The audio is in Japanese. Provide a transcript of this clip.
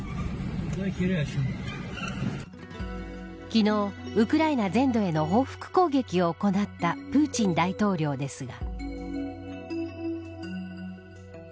昨日、ウクライナ全土への報復攻撃を行ったプーチン大統領ですが。